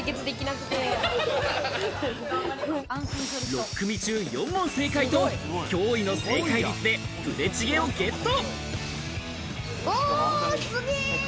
６組中４問正解と驚異の正解率でプデチゲをゲット。